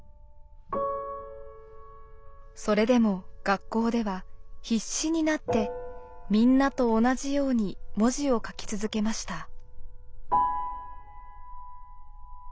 それでも学校では必死になってみんなと同じように文字を書き続けました。